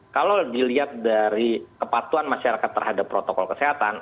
kalau dilihat dari kepatuhan masyarakat terhadap protokol kesehatan